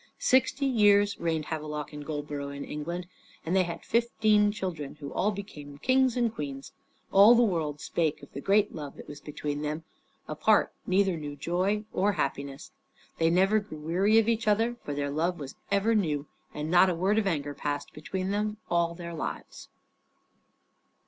Sixty years reigned Havelok and Goldborough in England, and they had fifteen children, who all became kings and queens. All the world spake of the great love that was between them. Apart, neither knew joy or happiness. They never grew weary of each other, for their love was ever new; and not a word of anger passed between them all their lives.